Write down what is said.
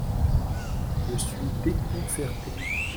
Je suis déconcerté.